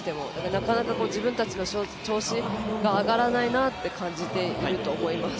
なかなか、自分たちの調子が上がらないなって感じていると思います。